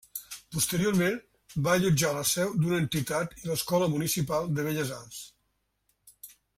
Posteriorment va allotjar la seu d'una entitat i l'Escola Municipal de Belles Arts.